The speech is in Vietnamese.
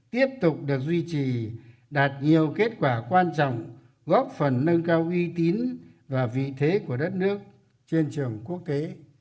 tiếp tục được duy trì đạt nhiều kết quả quan trọng góp phần nâng cao uy tín và vị thế của đất nước trên trường quốc tế